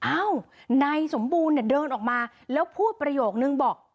อ้าวนายสมบูรณ์เนี่ยเดินออกมาแล้วพูดประโยคนึงบอก